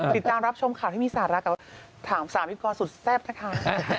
ติดตามรับชมข่าวที่มีสาระกับถาม๓วิกรสุดแซ่บนะคะ